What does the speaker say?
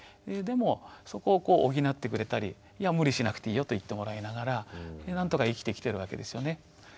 でもそこをこう補ってくれたりいや無理しなくていいよと言ってもらいながらなんとか生きてきてるわけですよね。